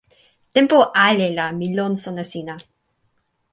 tenpo ale la mi lon sona sina.